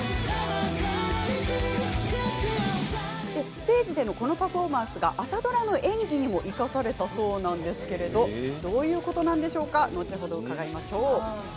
ステージでのこのパフォーマンスが朝ドラの演技にも生かされたそうなんですがどういうことなんでしょうか？